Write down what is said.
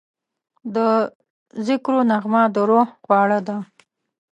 د ذکرو نغمه د روح خواړه ده.